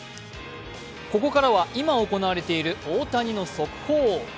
ここからは今行われている大谷の速報。